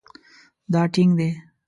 دا ټینګ دی